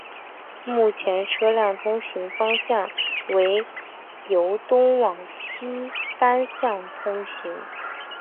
目前车辆通行方向为由东往西单向通行。